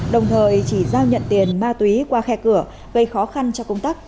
đồng thời chỉ giao nhận tiền ma túy qua khe cửa gây khó khăn cho công tác